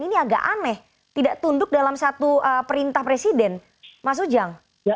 ini agak aneh tidak tunduk dalam satu perintah presiden mas ujang